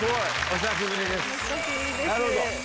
お久しぶりです。